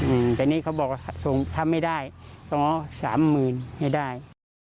อืมแต่นี่เขาบอกว่าส่งทำไม่ได้ต้องขอสามหมื่นไม่ได้